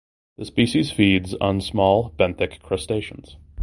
The species feeds on small benthic crustaceans.